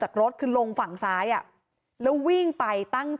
แต่แท็กซี่เขาก็บอกว่าแท็กซี่ควรจะถอยควรจะหลบหน่อยเพราะเก่งเทาเนี่ยเลยไปเต็มคันแล้ว